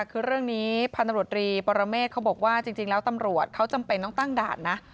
คือเรื่องนี้พันธบตรีปรเมฆเขาบอกว่าจริงแล้วตำรวจเขาจำเป็นต้องตั้งด่านนะ